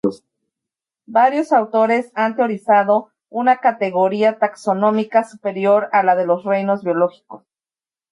Varios autores han teorizado una categoría taxonómica superior a la de los reinos biológicos.